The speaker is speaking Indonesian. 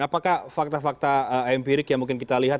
apakah fakta fakta empirik yang mungkin kita lihat